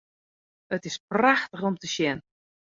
It is prachtich om te sjen.